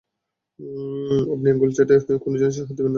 আপনি আঙুল চেটে আমার কোনো জিনিসে হাত দেবেন না।